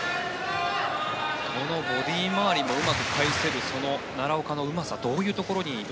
このボディー周りもうまく返せるその奈良岡のうまさはどういうところに？